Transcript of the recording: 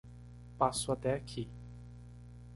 Passo até aqui.